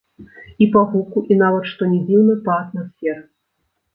І па гуку, і нават, што не дзіўна, па атмасферы.